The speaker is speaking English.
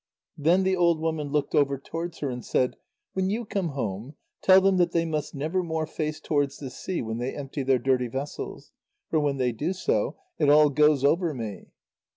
Then the old woman looked over towards her, and said: "When you come home, tell them that they must never more face towards the sea when they empty their dirty vessels, for when they do so, it all goes over me."